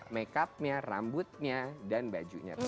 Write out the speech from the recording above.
makeupnya rambutnya dan bajunya